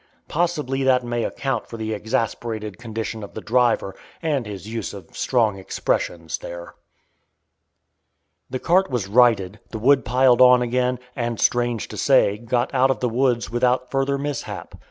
Possibly that may account for the exasperated condition of the driver and his use of strong expressions there. The cart was righted, the wood piled on again, and, strange to say, got out of the woods without further mishap.